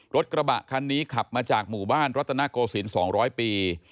รถกระบะคันนี้ขับมาจากหมู่บ้านรัตนโกศิลป์๒๐๐ปี